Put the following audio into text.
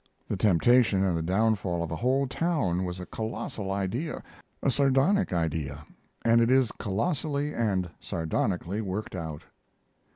The temptation and the downfall of a whole town was a colossal idea, a sardonic idea, and it is colossally and sardonically worked out.